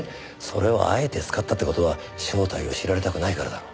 それをあえて使ったって事は正体を知られたくないからだろ。